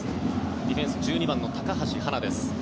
ディフェンス１２番の高橋はなです。